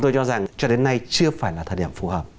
tôi cho rằng cho đến nay chưa phải là thời điểm phù hợp